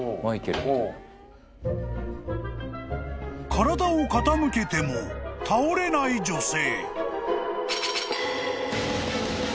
［体を傾けても倒れない女性］